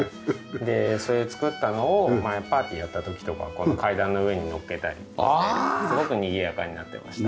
でそういう作ったのを前パーティーやった時とかはこの階段の上にのっけたりしてすごくにぎやかになってました。